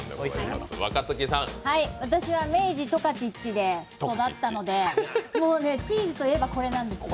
私は明治十勝っちで育ったのでチーズといえばこれなんですよ。